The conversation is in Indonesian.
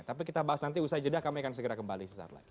tapi kita bahas nanti usai jeda kami akan segera kembali sesaat lagi